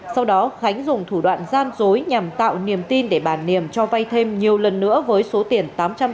sau đó khánh dùng thủ đoạn gian dối nhằm tạo niềm tin để bà niềm cho vay thêm nhiều lần nữa với số tiền tám trăm năm mươi